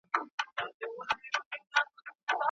د ښوونځیو په نصاب کي د طبعي پېښو پر مهال لارښوونې نه وي.